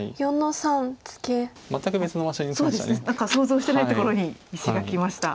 何か想像してないところに石がきました。